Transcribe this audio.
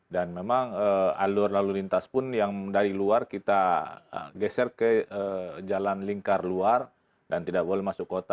memang alur lalu lintas pun yang dari luar kita geser ke jalan lingkar luar dan tidak boleh masuk kota